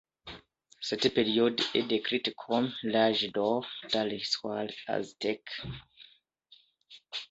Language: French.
Cette période est décrite comme l'âge d'or dans l'histoire aztèque.